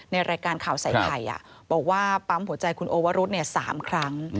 ในรายการข่าวใส่ไข่บอกว่าปั๊มหัวใจคุณโอวรุธ๓ครั้ง